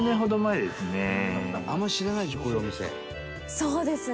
「そうですね。